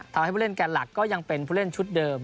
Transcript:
ทำให้ผู้เล่นแก่นหลักก็ยังเป็นผู้เล่นชุดเดิม